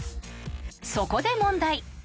［そこで問題］